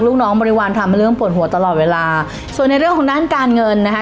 ลูกน้องบริวารทำให้เรื่องปวดหัวตลอดเวลาส่วนในเรื่องของด้านการเงินนะคะ